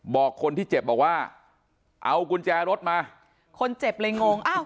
บอกคนที่เจ็บบอกว่าเอากุญแจรถมาคนเจ็บเลยงงอ้าว